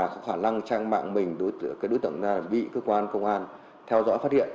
có khả năng trang mạng mình đối tượng bị cơ quan công an theo dõi phát hiện